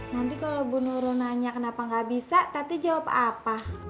nanti kalau bu nurul nanya kenapa nggak bisa tati jawab apa